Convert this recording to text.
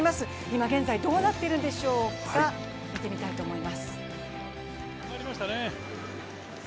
今現在どうなっているんでしょうか、見てみたいと思います。